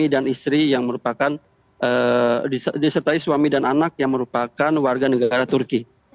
disertai suami dan anak yang merupakan warga negara turki